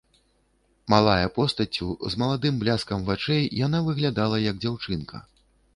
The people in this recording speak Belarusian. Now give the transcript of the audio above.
Малая постаццю, з маладым бляскам вачэй, яна выглядала, як дзяўчынка.